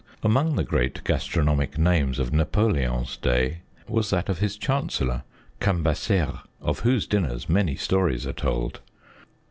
Among the great gastronomic names of Napoleon's day was that of his chancellor Cambaceres, of whose dinners many stories are told.